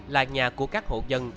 là nhà của các hộ dân